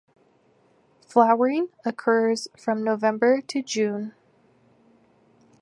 Flowering occurs from November to June.